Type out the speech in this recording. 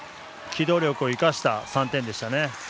機動力を生かした３点でしたね。